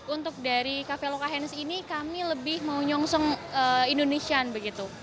untuk dari cafe loka hands ini kami lebih mau nyongsong indonesian begitu